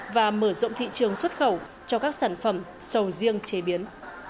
và mở rộng thị trường xuất khẩu cho các sản phẩm sầu riêng chế biến